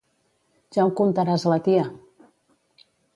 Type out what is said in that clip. Ja ho contaràs a la tia!